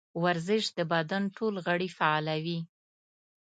ورزش د بدن ټول غړي فعالوي.